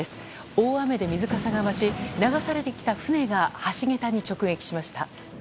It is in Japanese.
大雨で水かさが増し流されてきた船が橋桁に直撃しました。